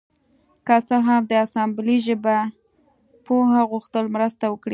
که څه هم د اسامبلۍ ژبې پوه غوښتل مرسته وکړي